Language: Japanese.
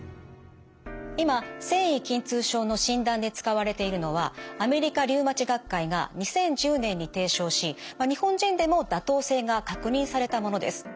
今線維筋痛症の診断で使われているのはアメリカリウマチ学会が２０１０年に提唱し日本人でも妥当性が確認されたものです。